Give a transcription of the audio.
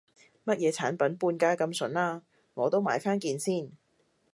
乜嘢產品半價咁筍啊，我都買返件先